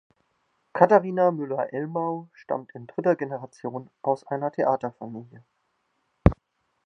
Katharina Müller-Elmau stammt in dritter Generation aus einer Theaterfamilie.